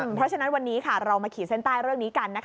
เพราะฉะนั้นวันนี้เรามาขีดเส้นใต้เรื่องนี้กัน